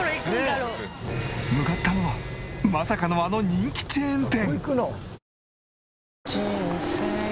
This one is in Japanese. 向かったのはまさかのあの人気チェーン店！